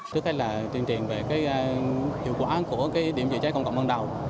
trước hết là tuyên truyền về hiệu quả của điểm chữa cháy công cộng ban đầu